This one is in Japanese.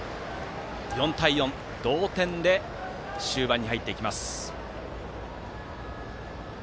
４対４、同点で終盤に入ります。